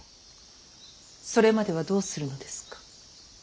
それまではどうするのですか。